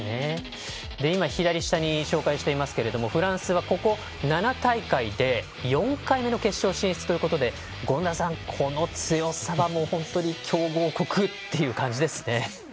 今、左下で紹介していますがフランスは、ここ７大会で４回目の決勝進出ということで権田さん、この強さは強豪国って感じですね。